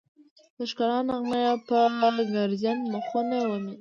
د ښکلا نغمې به کرکجن مخونه ومينځي